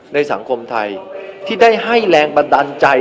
ในสังคมไทยที่ได้ให้แรงบันดาลใจ